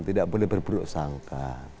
tidak boleh berburuk sangka